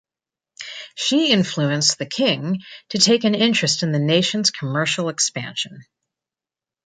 She influenced the king to take an interest in the nation's commercial expansion.